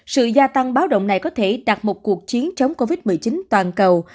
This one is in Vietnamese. sự gia tăng báo động này có thể đạt một cuộc chiến chống covid một mươi chín toàn cầu